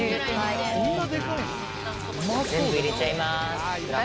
全部入れちゃいます。